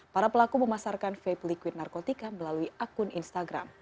para pelaku memasarkan vape liquid narkotika melalui akun instagram